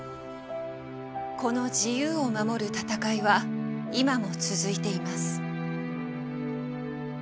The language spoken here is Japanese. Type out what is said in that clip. この自由を守る闘いは今も続いています。